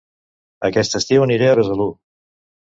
Aquest estiu aniré a Besalú